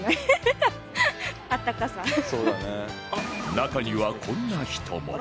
中にはこんな人も